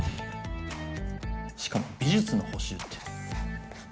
しかも美術の補習って。